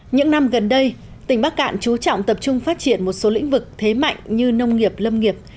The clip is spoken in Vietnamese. những năm gần đây tỉnh bắc cạn chú trọng tập trung phát triển một số lĩnh vực thế mạnh như nông nghiệp lâm nghiệp